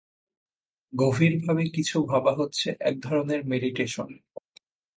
গভীরভাবে কিছু ভাবা হচ্ছে একধরনের মেডিটেশন।